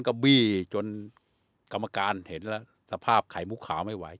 ก็บี้จนกรรมการเห็นแล้วสภาพไข่มุกขาวไม่ไหว